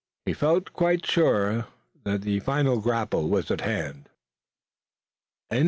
He felt quite sure that the final grapple was at hand.